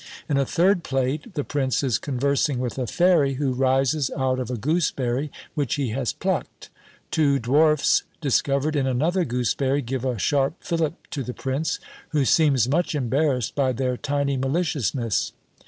In a third plate, the Prince is conversing with a fairy who rises out of a gooseberry which he has plucked: two dwarfs, discovered in another gooseberry, give a sharp fillip to the Prince, who seems much embarrassed by their tiny maliciousness.